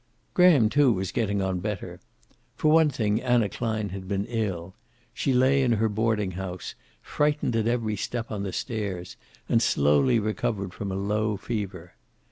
Graham, too, was getting on better. For one thing, Anna Klein had been ill. She lay in her boarding house, frightened at every step on the stairs, and slowly recovered from a low fever.